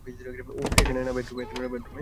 ওহ, এখানে না, বেডরুমে।